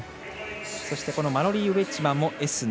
そしてマロリー・ウェッジマンもＳ７。